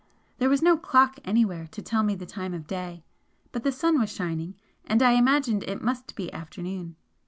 There was no clock anywhere to tell me the time of day, but the sun was shining, and I imagined it must be afternoon.